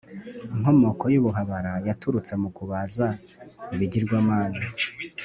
Inkomoko y’ubuhabara yaturutse mu kubaza ibigirwamana,